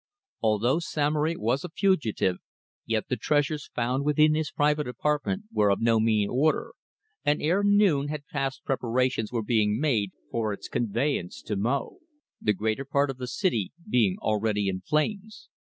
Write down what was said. Although Samory was a fugitive, yet the treasures found within his private apartments were of no mean order, and ere noon had passed preparations were being made for its conveyance to Mo, the greater part of the city being already in flames.